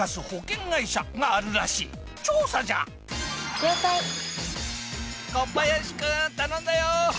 小林君頼んだよ！